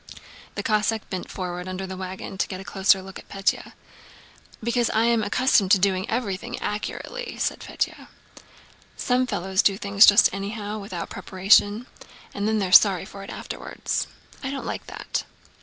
The Cossack bent forward from under the wagon to get a closer look at Pétya. "Because I am accustomed to doing everything accurately," said Pétya. "Some fellows do things just anyhow, without preparation, and then they're sorry for it afterwards. I don't like that."